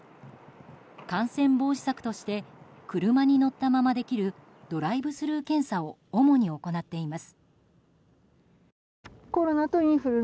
感染防止策として車に乗ったままできるドライブスルー検査を主に行っています。